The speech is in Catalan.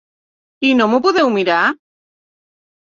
I no m'ho podeu mirar?